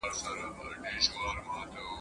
انګرېزان خپلي خولۍ ایسته کوي.